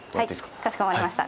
はい、かしこまりました。